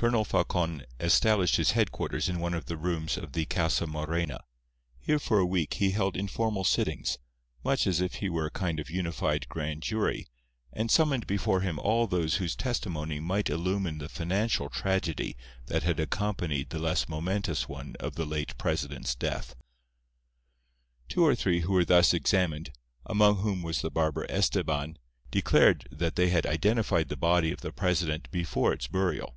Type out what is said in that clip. Colonel Falcon established his headquarters in one of the rooms of the Casa Morena. Here for a week he held informal sittings—much as if he were a kind of unified grand jury—and summoned before him all those whose testimony might illumine the financial tragedy that had accompanied the less momentous one of the late president's death. Two or three who were thus examined, among whom was the barber Estebán, declared that they had identified the body of the president before its burial.